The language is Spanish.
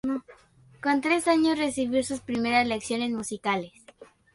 Con tres años recibió sus primeras lecciones musicales.